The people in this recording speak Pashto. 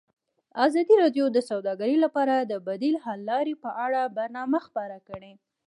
ازادي راډیو د سوداګري لپاره د بدیل حل لارې په اړه برنامه خپاره کړې.